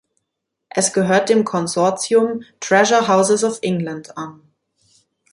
Es gehört dem Konsortium Treasure Houses of England an.